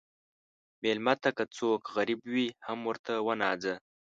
مېلمه ته که څوک غریب وي، هم ورته وناځه.